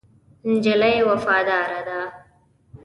نجلۍ وفاداره ده.